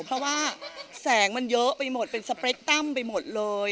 เพราะว่าแสงมันเยอะไปหมดเป็นสเปรคตั้มไปหมดเลย